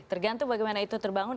tergantung bagaimana itu terbangun